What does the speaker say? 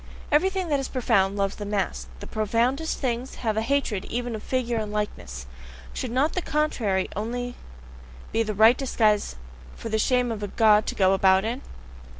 Everything that is profound loves the mask: the profoundest things have a hatred even of figure and likeness. Should not the CONTRARY only be the right disguise for the shame of a God to go about in?